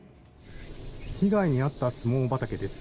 被害に遭ったスモモ畑です。